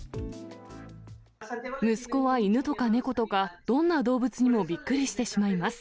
息子は犬とか猫とか、どんな動物にもびっくりしてしまいます。